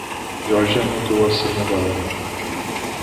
Jorge anotou a senha da Ana.